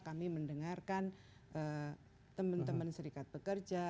kami mendengarkan teman teman serikat pekerja